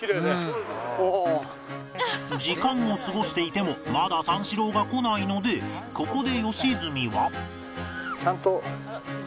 時間を過ごしていてもまだ三四郎が来ないのでここで良純は